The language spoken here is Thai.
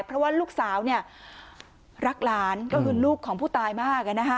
เพราะว่าลูกสาวเนี่ยรักล้านก็คือลูกของผู้ตายมากอ่ะนะฮะ